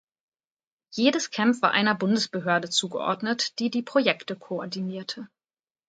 Jedes Camp war einer Bundesbehörde zugeordnet, die die Projekte koordinierte.